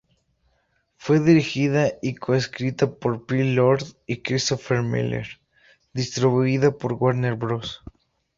Fue dirigida y coescrita por Phil Lord y Christopher Miller, distribuida por Warner Bros.